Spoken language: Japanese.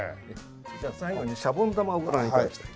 じゃあ最後に「しゃぼん玉」をご覧頂きたい。